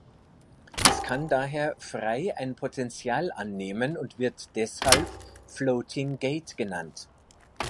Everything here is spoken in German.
Es kann daher frei ein Potential annehmen und wird deshalb "Floating Gate" genannt.